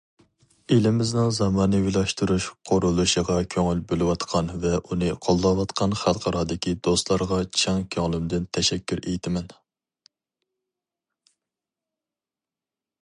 ئېلىمىزنىڭ زامانىۋىلاشتۇرۇش قۇرۇلۇشىغا كۆڭۈل بۆلۈۋاتقان ۋە ئۇنى قوللاۋاتقان خەلقئارادىكى دوستلارغا چىن كۆڭلۈمدىن تەشەككۈر ئېيتىمەن!